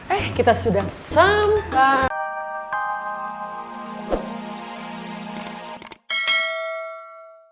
eh kita sudah sampai